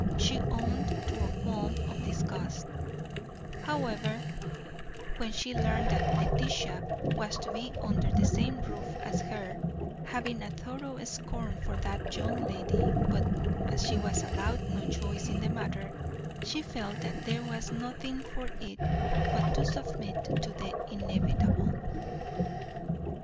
She owned to a qualm of disgust, however, when she learned that Letitia was to be under the same roof as herself, having a thorough scorn for that young lady; but, as she was allowed no choice in the matter, she felt that there was nothing for it but to submit to the inevitable.